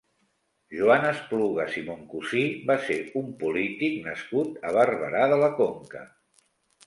Joan Esplugas i Moncusí va ser un polític nascut a Barberà de la Conca.